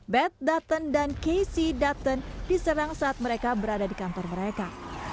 bet dutton dan kc dutton diserang saat mereka berada di kantor mereka